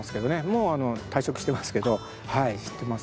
もう退職してますけどはい知ってます。